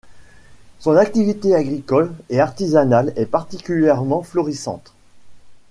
Son activité agricole et artisanale est particulièrement florissante.